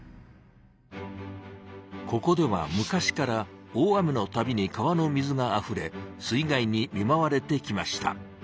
ここでは昔から大雨のたびに川の水があふれ水害に見まわれてきました。